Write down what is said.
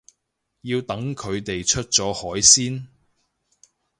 要等佢哋出咗海先